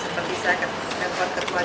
seperti saya ke depan kekuat dpd